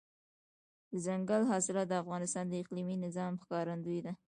دځنګل حاصلات د افغانستان د اقلیمي نظام ښکارندوی ده.